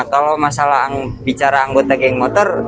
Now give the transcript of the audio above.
kalau masalah bicara anggota geng motor